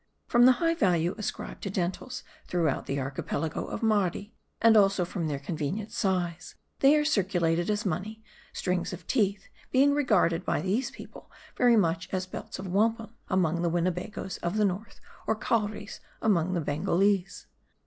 From the high value ascribed to dentals throughout the archipelago of Mardi, and also from their convenient size, they are circulated as money ; strings of teeth being re garded by these people very much as belts of wampum MARDI. 243 among the Winnebagoes of the North ; or cowries, among the Bengalese.